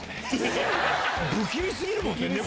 不気味過ぎるもんね